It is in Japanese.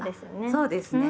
そうですね。